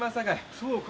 そうか。